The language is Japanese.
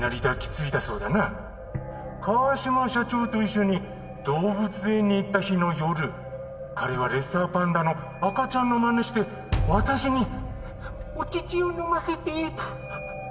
「川嶋社長と一緒に動物園に行った日の夜彼はレッサーパンダの赤ちゃんのまねして私にお乳を飲ませてと」